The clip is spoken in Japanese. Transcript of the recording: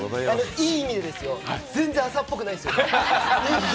いい意味でですよ、全然朝っぽくないですよね。